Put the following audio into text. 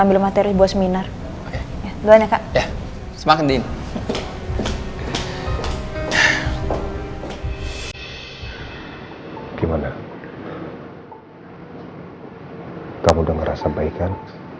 ambil materi buat seminar ya semangat din gimana kamu udah ngerasa baik kan